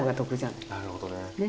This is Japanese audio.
なるほどね。